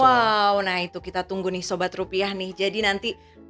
wow nah itu kita tunggu nih sobat rupiah nih jadi nanti